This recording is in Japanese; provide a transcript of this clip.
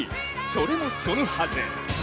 それもそのはず。